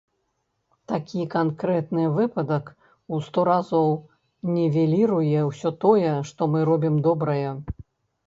Такі канкрэтны выпадак ў сто разоў нівеліруе ўсё тое, што мы робім добрае.